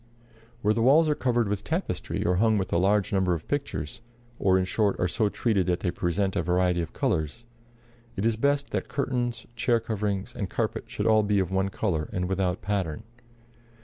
Where the walls are covered with tapestry, or hung with a large number of pictures, or, in short, are so treated that they present a variety of colors, it is best that curtains, chair coverings and carpet should all be of one color and without pattern.